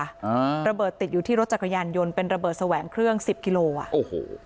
อ่าระเบิดติดอยู่ที่รถจักรยานยนต์เป็นระเบิดแสวงเครื่องสิบกิโลอ่ะโอ้โห